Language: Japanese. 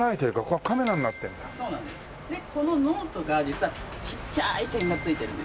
でこのノートが実はちっちゃい点が付いてるんです。